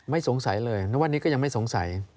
สงสัยเลยณวันนี้ก็ยังไม่สงสัย